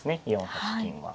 ４八金は。